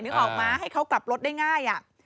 นึกออกมาให้เขากลับรถได้ง่าย